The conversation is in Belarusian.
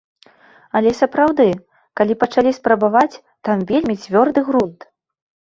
Але сапраўды, калі пачалі спрабаваць, там вельмі цвёрды грунт.